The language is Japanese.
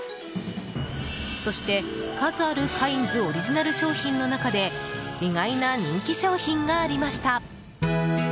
そして、数あるカインズオリジナル商品の中で意外な人気商品がありました。